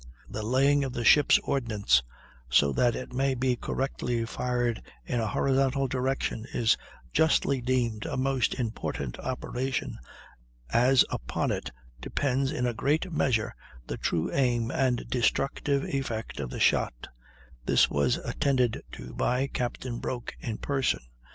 The laying of the ship's ordnance so that it may be correctly fired in a horizontal direction is justly deemed a most important operation, as upon it depends in a great measure the true aim and destructive effect of the shot; this was attended to by Captain Broke in person.